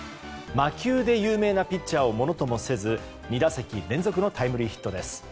魔球で有名なピッチャーをものともせず２打席連続のタイムリーヒットです。